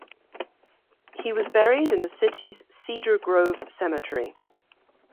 He was buried in the city's Cedar Grove Cemetery.